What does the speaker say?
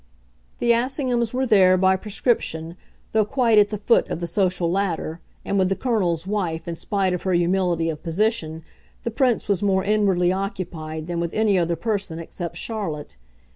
The Assinghams were there, by prescription, though quite at the foot of the social ladder, and with the Colonel's wife, in spite of her humility of position, the Prince was more inwardly occupied than with any other person except Charlotte.